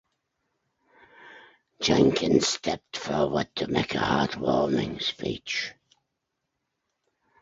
Jenkins stepped forward to make a heartwarming speech.